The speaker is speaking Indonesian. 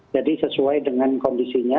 jadi sesuai dengan kondisinya